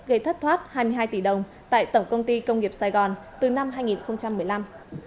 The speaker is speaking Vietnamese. gây thất thoát hai mươi hai tỷ đồng tại tổng công ty công nghiệp sài gòn từ năm hai nghìn một mươi năm